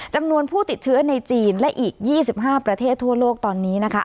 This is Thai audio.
จำนวนผู้ติดเชื้อในจีนและอีก๒๕ประเทศทั่วโลกตอนนี้นะคะ